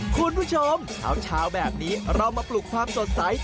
คุณผู้ชมเช้าแบบนี้เรามาปลุกความสดใส